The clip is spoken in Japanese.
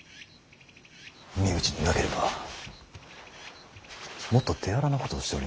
身内でなければもっと手荒なことをしておりました。